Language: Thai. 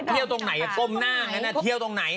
เที่ยวตรงไหนก้มหน้าไงนะเที่ยวตรงไหน